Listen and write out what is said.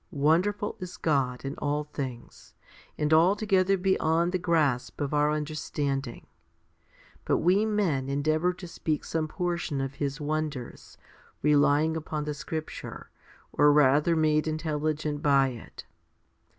Wonderful is God in all things, and altogether beyond the grasp of our understanding ; but we men endeavour to speak some portion of His wonders, relying upon the scripture, or rather made intelligent by it.